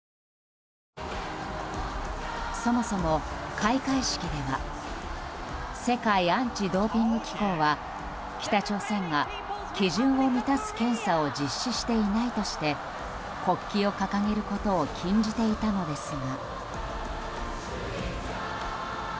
そもそも開会式では世界アンチ・ドーピング機構は北朝鮮が基準を満たす検査を実施していないとして国旗を掲げることを禁じていたのですが。